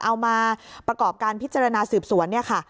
เอามาประกอบการพิจารณาสืบสวน